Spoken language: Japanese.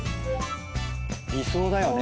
理想だよね。